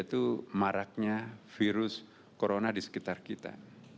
itu maraknya virus corona di sekitar kita